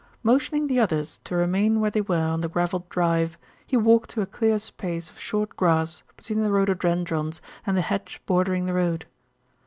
Motioning the others to remain where they were on the gravelled drive, he walked to a clear space of short grass between the rhododendrons and the hedge bordering the road.